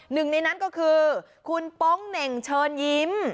หนึ่งในนั้นก็คือคุณโป๊งเหน่งเชิญยิ้ม